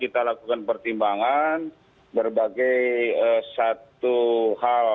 kita lakukan pertimbangan berbagai satu hal